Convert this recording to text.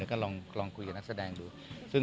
ก็ลองคุยกับนักแสดงดู